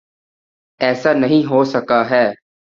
ایسا نہیں ہو سکا ہے۔